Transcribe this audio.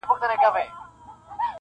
که یې لمبو دي ځالګۍ سوځلي!